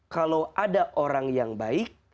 kalau ada orang yang baik